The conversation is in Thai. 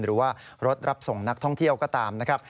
หรือว่ารถรับส่งนักท่องเที่ยวก็ตามนะครับ